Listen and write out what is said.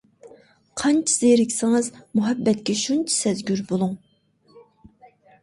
قانچە زېرىكسىڭىز، مۇھەببەتكە شۇنچە سەزگۈر بولۇڭ.